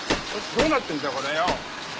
どうなってんだこれよ。